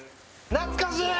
懐かしい！